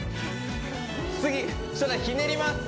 次ひねります